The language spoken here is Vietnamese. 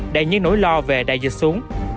đại nhiên nỗi lo về đại dịch xuống